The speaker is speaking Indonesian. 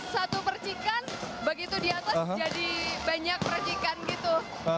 satu percikan begitu di atas jadi banyak percikan gitu